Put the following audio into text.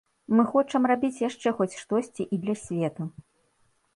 Мы хочам рабіць яшчэ хоць штосьці і для свету.